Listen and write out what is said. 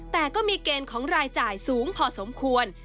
แต่ก็มีเกณฑ์ของรายจ่ายสูงพอสมควร